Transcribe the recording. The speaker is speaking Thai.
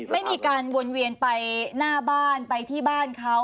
ไม่มีการวนเวียนไปหน้าบ้านไปที่บ้านเขา